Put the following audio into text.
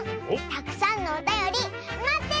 たくさんのおたよりまってるよ！